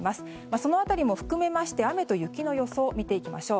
その辺りも含めまして雨と雪の予想見ていきましょう。